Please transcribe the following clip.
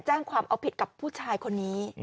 แจ้งความเอาผิดกับผู้ชายคนนี้